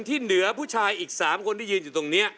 ที่เหลือผู้ชายอีก๓คนที่ยืนอยู่ตรงนี้